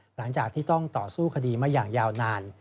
หลังจากที่ต้องต่อสู้คดีมาอย่างยาวนาน